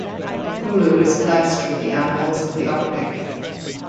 Kulu is blessed with the animals of the Arctic.